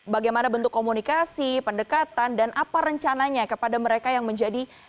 bagaimana bentuk komunikasi pendekatan dan apa rencananya kepada mereka yang menjadi